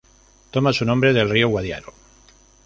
Toma su nombre del río Guadiaro.